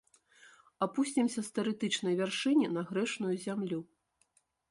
Апусцімся з тэарэтычнай вяршыні на грэшную зямлю.